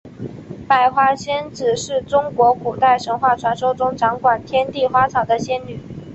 百花仙子是中国古代神话传说中掌管天地花草的仙女。